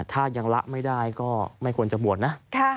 ถ้ายังละไม่ได้ก็ไม่ควรจะบวชนะ